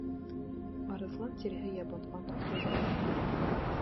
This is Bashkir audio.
Арыҫлан тиреһе ябынған ҡуян!